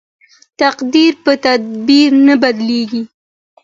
تقدیر په تدبیر نه بدلیږي.